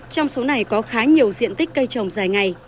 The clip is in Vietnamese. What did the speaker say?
trong số này có khá nhiều diện tích cây trồng dài ngày